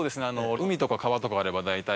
海とか川とかあれば、大体。